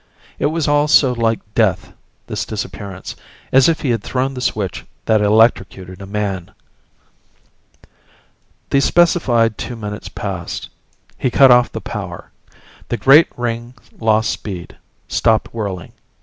It was all so like death, this disappearance as if he had thrown the switch that electrocuted a man. The specified two minutes passed. He cut off the power. The great ring lost speed, stopped whirling.